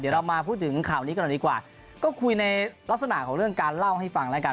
เดี๋ยวเรามาพูดถึงข่าวนี้กันหน่อยดีกว่าก็คุยในลักษณะของเรื่องการเล่าให้ฟังแล้วกัน